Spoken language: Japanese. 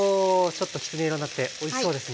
ちょっときつね色になっておいしそうですね。